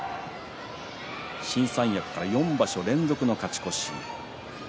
新三役から４場所連続の勝ち越し。